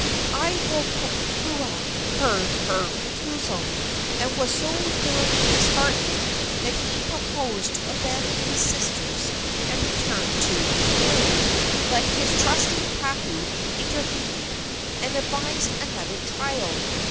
Aiwohikupua heard her refusal, and was so thoroughly disheartened that he proposed to abandon his sisters and return to Keaau, but his trusty kahu intervened and advised another trial.